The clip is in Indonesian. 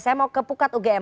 saya mau ke pukat ugm